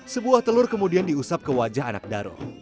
sebuah telur kemudian diusap ke wajah anak daro